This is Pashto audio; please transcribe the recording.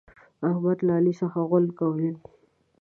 احمد له علي څخه غول کول.